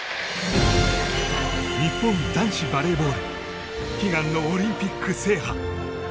日本男子バレーボール悲願のオリンピック制覇。